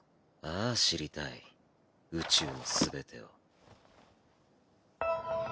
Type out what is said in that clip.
ああ知りたい宇宙の全てを。